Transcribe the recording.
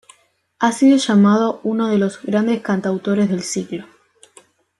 Ha sido llamado uno de "los grandes cantautores del siglo".